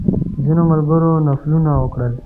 ځینو ملګرو نفلونه وکړل.